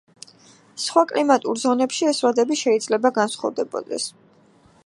სხვა კლიმატურ ზონებში ეს ვადები შეიძლება განსხვავდებოდეს.